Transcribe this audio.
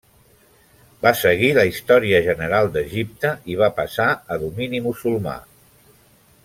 Va seguir la història general d'Egipte i va passar a domini musulmà.